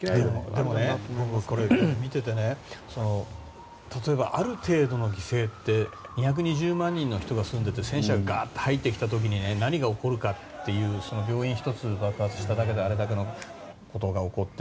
でも、僕もこれを見ていて例えばある程度の犠牲って２２０万人の人が住んでいて戦車が入ってきた時に何が起こるかというその病院１つ爆発しただけであれだけのことが起こって。